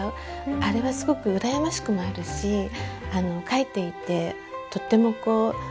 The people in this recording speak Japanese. あれはすごくうらやましくもあるし書いていてとってもすっきりしました。